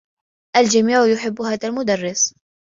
الجميع يحبّ هذا المدرّس.